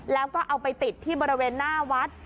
แล้วก็เอาไปติดที่บริเวณหน้าวัด